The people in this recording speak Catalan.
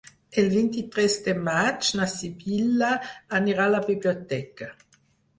El vint-i-tres de maig na Sibil·la anirà a la biblioteca.